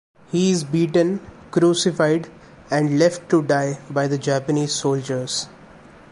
He is beaten, crucified, and left to die by the Japanese soldiers.